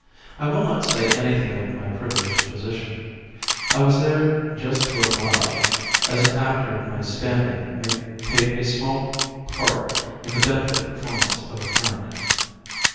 I will not say anything of my privileged position. I was there "just to oblige," as an actor of standing may take a small part in the benefit performance of a friend.